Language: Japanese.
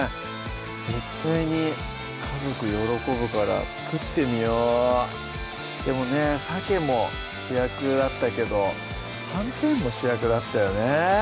絶対に家族喜ぶから作ってみようでもねさけも主役だったけどはんぺんも主役だったよね